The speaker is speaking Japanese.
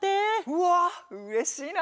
うわっうれしいな！